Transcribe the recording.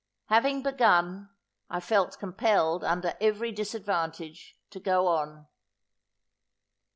Having begun, I felt compelled, under every disadvantage, to go on.